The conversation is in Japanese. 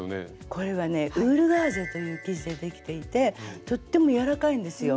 これはねウールガーゼという生地でできていてとっても柔らかいんですよ。